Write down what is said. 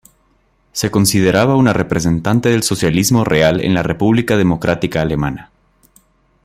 Se consideraba una representante del socialismo real en la República Democrática Alemana.